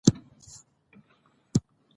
نازنين: دا مې وېل